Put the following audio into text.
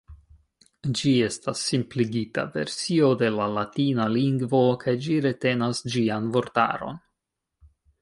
Ĝi estas simpligita versio de la latina lingvo, kaj ĝi retenas ĝian vortaron.